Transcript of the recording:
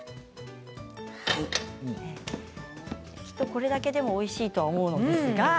きっとこれだけでもおいしいとは思うんですが。